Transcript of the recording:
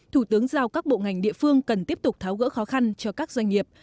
thủ tướng giao các bộ ngành địa phương cần tiếp tục tháo gỡ khó khăn cho các doanh nghiệp